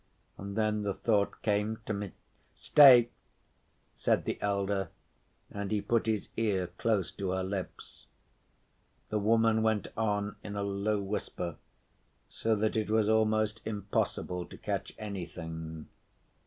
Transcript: And then the thought came to me—" "Stay!" said the elder, and he put his ear close to her lips. The woman went on in a low whisper, so that it was almost impossible to catch anything.